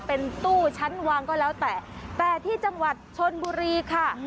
เป็นตู้ชั้นวางก็แล้วแต่แต่ที่จังหวัดชนบุรีค่ะ